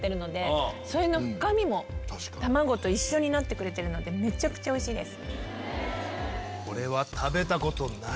卵と一緒になってくれてるのでめちゃくちゃおいしいです。